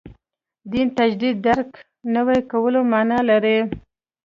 دین تجدید درک نوي کولو معنا لري.